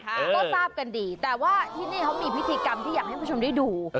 ก็ทราบกันดีแต่ว่าที่นี่เขามีพิธีกรรมที่อยากให้ผู้ชมได้ดู